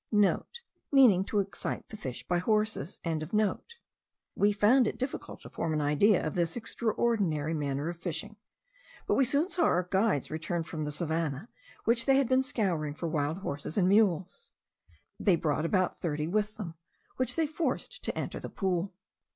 *(* Meaning to excite the fish by horses.)) We found it difficult to form an idea of this extraordinary manner of fishing; but we soon saw our guides return from the savannah, which they had been scouring for wild horses and mules. They brought about thirty with them, which they forced to enter the pool.